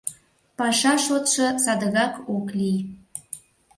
— Паша шотшо садыгак ок лий.